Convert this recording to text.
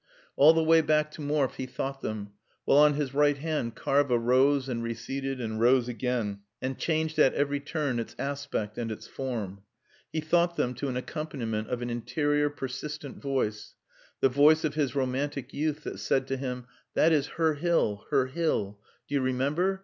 All the way back to Morfe he thought them, while on his right hand Karva rose and receded and rose again, and changed at every turn its aspect and its form. He thought them to an accompaniment of an interior, persistent voice, the voice of his romantic youth, that said to him, "That is her hill, her hill do you remember?